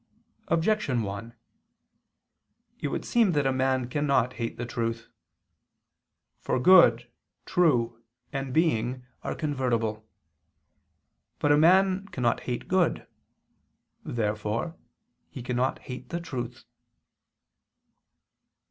Objection 1: It would seem that a man cannot hate the truth. For good, true, and being are convertible. But a man cannot hate good. Neither, therefore, can he hate the truth.